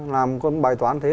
làm con bài toán thế